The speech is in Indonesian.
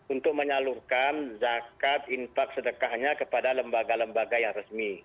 untuk menyalurkan zakat infak sedekahnya kepada lembaga lembaga yang resmi